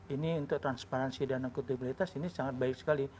ini untuk transparansi dan akuntabilitas ini sangat baik sekali